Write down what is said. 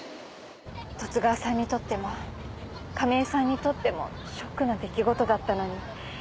十津川さんにとっても亀井さんにとってもショックな出来事だったのに。